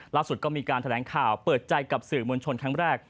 ล่าสุดก็มีการแถลงข่าวเปิดใจกับสื่อมวลชนครั้งแรก